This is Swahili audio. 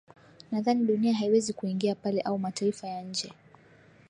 nadhani dunia haiwezi kuingia pale au mataifa ya nje